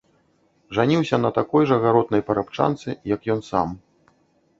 Жаніўся на такой жа гаротнай парабчанцы, як ён сам.